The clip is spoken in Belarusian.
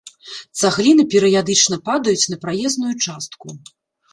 Цагліны перыядычна падаюць на праезную частку.